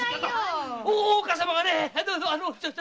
大岡様がね‼